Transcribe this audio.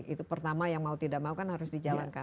itu pertama yang mau tidak mau kan harus dijalankan